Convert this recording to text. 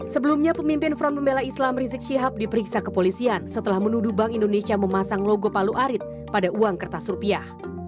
sebelumnya pemimpin front pembela islam rizik syihab diperiksa kepolisian setelah menuduh bank indonesia memasang logo palu arit pada uang kertas rupiah